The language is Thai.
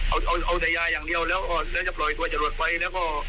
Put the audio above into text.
เอาเอาแต่ยาอย่างเดียวแล้วแล้วจะปล่อยตัวจรวดไปแล้วก็